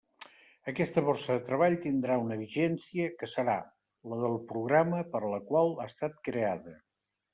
Aquesta borsa de treball tindrà una vigència que serà la del programa per la qual ha estat creada.